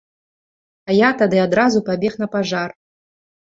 А я тады адразу пабег на пажар.